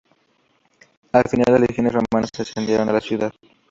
Al final, las legiones romanas incendiaron la ciudad.